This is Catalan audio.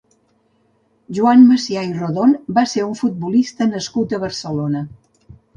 Joan Macià i Rodon va ser un futbolista nascut a Barcelona.